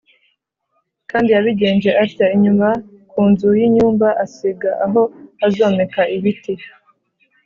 Kandi yabigenjeje atya: inyuma ku nzu y’inyumba asiga aho azomeka ibiti